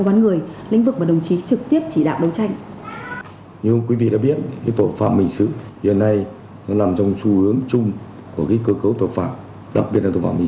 xin mời quý vị và các bạn cùng theo dõi